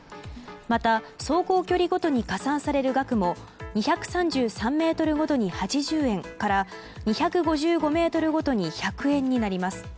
また、走行距離ごとに加算される額も２３３ｍごとに８０円から２５５ｍごとに１００円になります。